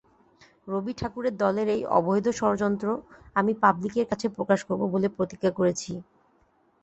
রবি ঠাকুরের দলের এই অবৈধ ষড়যন্ত্র আমি পাব্লিকের কাছে প্রকাশ করব বলে প্রতিজ্ঞা করেছি।